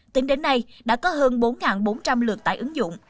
tính đến nay đã có hơn bốn bốn trăm linh lượt tải ứng dụng